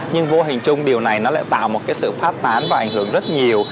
nhưng vô hình chung điều này nó lại tạo một cái sự phát tán và ảnh hưởng rất nhiều